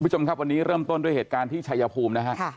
คุณผู้ชมครับวันนี้เริ่มต้นด้วยเหตุการณ์ที่ชายภูมินะฮะ